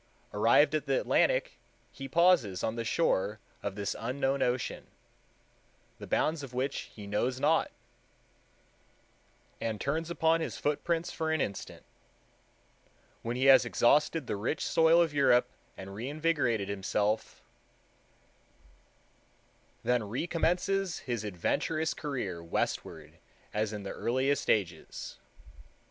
Arrived at the Atlantic, he pauses on the shore of this unknown ocean, the bounds of which he knows not, and turns upon his footprints for an instant." When he has exhausted the rich soil of Europe, and reinvigorated himself, "then recommences his adventurous career westward as in the earliest ages."